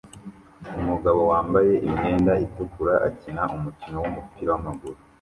Umugabo wambaye imyenda itukura akina umukino wumupira wamaguru